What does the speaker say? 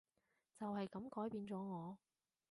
就係噉改變咗我